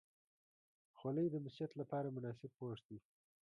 خولۍ د مسجد لپاره مناسب پوښ دی.